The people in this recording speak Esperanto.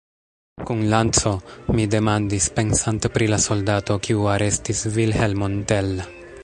Kun lanco? mi demandis, pensante pri la soldato, kiu arestis Vilhelmon Tell.